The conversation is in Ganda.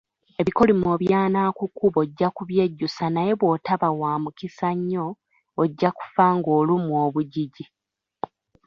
Ebikolimo byanaakukuba ojja kubyejjusa naye bw'otoba wa mukisa nnyo, ojja kufa ng'olumwa obugigi.